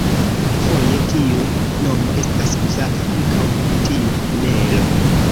Foje tiu nomo estas uzata ankaŭ por tiu tunelo.